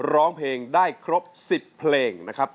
ร้องเพลงได้ครบ๑๐เพลงนะครับ